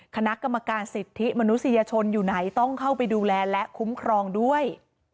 คณะกรรมการสิทธิมนุษยชนอยู่ไหนต้องเข้าไปดูแลและคุ้มครองด้วย